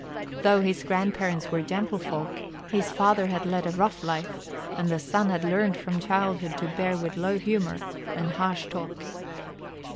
Though his grandparents were gentlefolk, his father had led a rough life and the son had learned from childhood to bear with low humour and harsh talk.